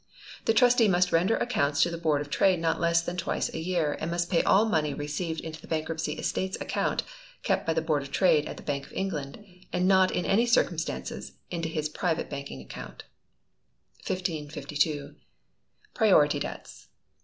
The trustee must render accounts to the Board of Trade not less than twice a year; and must pay all money received into the Bankruptcy Estates Account, kept by the Board of Trade at the Bank of England, and not, in any circumstances, into his private banking account. 1552. Priority Debts.